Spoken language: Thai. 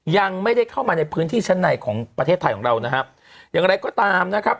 ยังไม่ได้เข้ามาในพื้นที่ชั้นในของประเทศไทยของเรานะครับอย่างไรก็ตามนะครับ